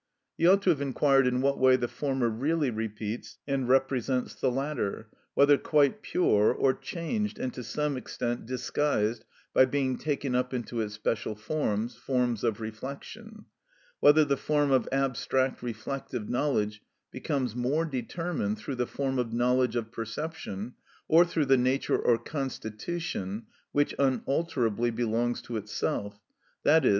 He ought to have inquired in what way the former really repeats and represents the latter, whether quite pure, or changed and to some extent disguised by being taken up into its special forms (forms of reflection); whether the form of abstract reflective knowledge becomes more determined through the form of knowledge of perception, or through the nature or constitution which unalterably belongs to itself, _i.e.